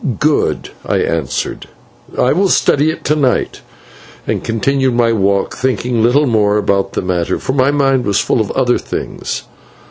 "Good," I answered, "I will study it to night," and continued my walk, thinking little more about the matter, for my mind was full of other things.